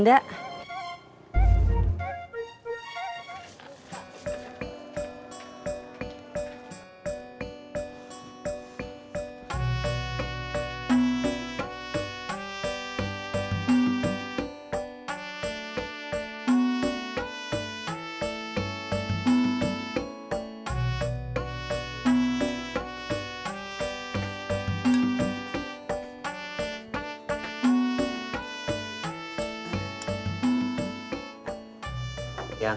tadi emak gimana yang